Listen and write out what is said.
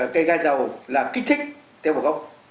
cây gai dầu là kích thích tế bào gốc